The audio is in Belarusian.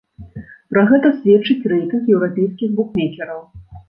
Пра гэта сведчыць рэйтынг еўрапейскіх букмекераў.